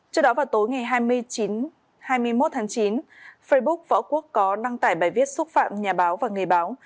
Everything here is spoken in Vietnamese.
trước đó vào tối ngày hai mươi một tháng chín facebook võ quốc có đăng tải bài viết xúc phạm nhà báo và nghề báo